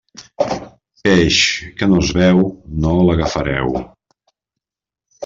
Peix que no es veu, no l'agafareu.